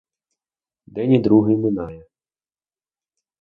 День і другий минає.